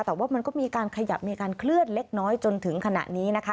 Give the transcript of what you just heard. แต่ว่ามันก็มีการขยับมีการเคลื่อนเล็กน้อยจนถึงขณะนี้นะคะ